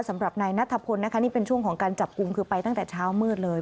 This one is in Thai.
สำหรับนายนัทพลนะคะนี่เป็นช่วงของการจับกลุ่มคือไปตั้งแต่เช้ามืดเลย